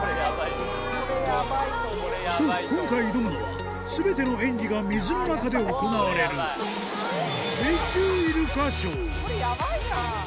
そう今回挑むのは全ての演技が水の中で行われるこれヤバいな。